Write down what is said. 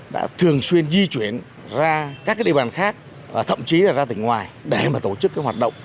đã thường xuyên di chuyển ra các địa bàn khác thậm chí là ra tỉnh ngoài để tổ chức hoạt động